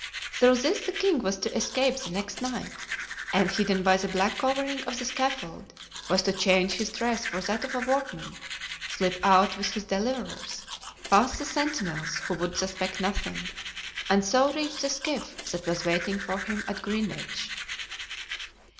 Through this the king was to escape the next night, and, hidden by the black covering of the scaffold, was to change his dress for that of a workman, slip out with his deliverers, pass the sentinels, who would suspect nothing, and so reach the skiff that was waiting for him at Greenwich.